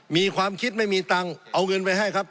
มีความคิดไม่มีตังค์เอาเงินไปให้ครับ